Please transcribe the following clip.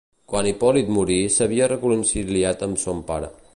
Quan Hipòlit morí s'havia reconciliat amb son pare.